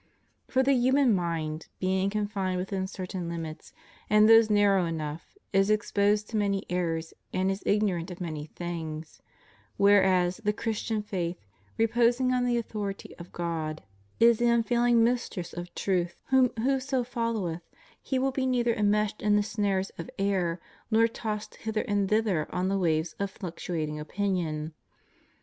For the human mind, being confined within certain limits, and those narrow enough, is exposed to many errors and is ignorant of many things; whereas the Christain faith, reposing on the authority of God, is the unfailing mistress of truth, whom whoso foUoweth he will be neither immeshed in the snares of error nor tossed hither and thither on the waves of fluctuating opinion.